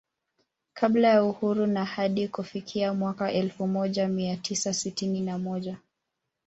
Kabla ya Uhuru na hadi kufikia mwaka elfu moja mia tisa sitini na moja